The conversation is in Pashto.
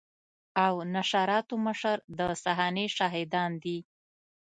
او نشراتو مشر د صحنې شاهدان دي.